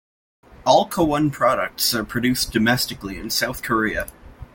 All Cowon products are produced domestically in South Korea.